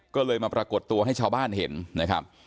ก็เลยมาปรากฏตัวให้ชาวบ้านเห็นนะครับ